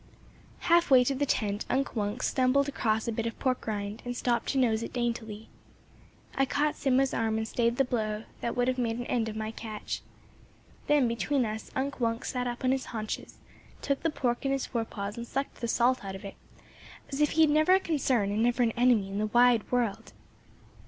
Halfway to the tent Unk Wunk stumbled across a bit of pork rind, and stopped to nose it daintily. I caught Simmo's arm and stayed the blow that would have made an end of my catch. Then, between us, Unk Wunk sat up on his haunches, took the pork in his fore paws and sucked the salt out of it, as if he had never a concern and never an enemy in the wide world.